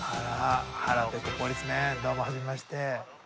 どうもはじめまして。